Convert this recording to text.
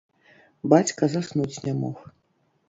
Бацька заснуць не мог.